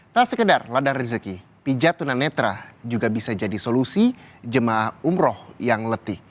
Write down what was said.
tak sekedar ladang rezeki pijatunan netra juga bisa jadi solusi jemaah umroh yang letih